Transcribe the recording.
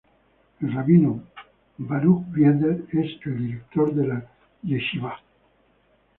El Rabino Baruj Wieder, es el director de la yeshivá.